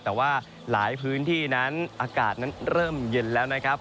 แต่ว่าหลายพื้นที่นั้นอากาศนั้นเริ่มเย็นแล้วนะครับ